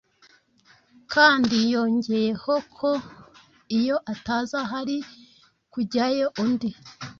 kandi yongeyeho ko iyo ataza hari kujyayo undi